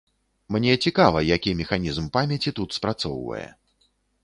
Мне цікава, які механізм памяці тут спрацоўвае.